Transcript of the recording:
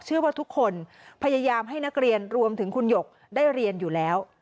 เชื่อว่าทุกคนพยายามให้นักเรียนรวมถึงคุณหยกได้เรียนอยู่แล้ว